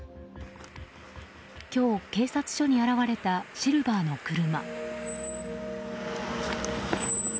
今日、警察署に現れたシルバーの車。